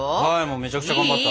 めちゃくちゃ頑張った。